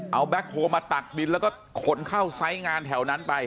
เอาแก๊คโฮลมาตักดินแล้วก็ขนเข้าไซส์งานแถวนั้นไป